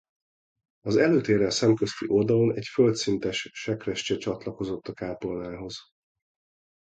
Az előtérrel szemközti oldalon egy földszintes sekrestye csatlakozott a kápolnához.